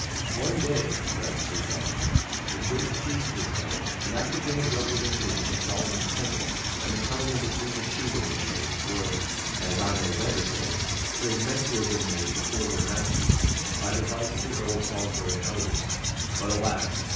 "One day," writes Sir John, "a great feast was held; and after dinner the representation of Solomon's Temple and the coming of the Queen of Sheba was made, or (as I may better say) was meant to have been made before their Majesties, by device of the Earl of Salisbury and others. But alas!